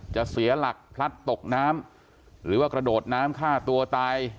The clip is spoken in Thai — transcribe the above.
เสียหลักพลัดตกน้ำหรือว่ากระโดดน้ำฆ่าตัวตาย